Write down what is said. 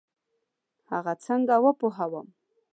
هغه څنګه وپوهوم؟